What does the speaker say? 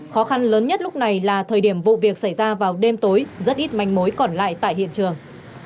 khó khăn lớn nhất lúc này là thời điểm vụ việc xảy ra vào đêm tối rất ít manh mối còn lại tại hiện trường